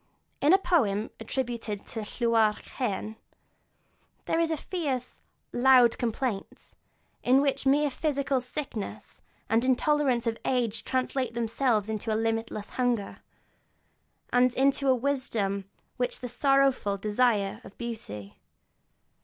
In the poem attributed to Llywarch Hen there is a fierce, loud complaint, in which mere physical sickness and the intolerance of age translate themselves into a limitless hunger, and into that wisdom which is the sorrowful desire of beauty.